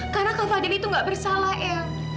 karena fadil itu nggak bersalah eang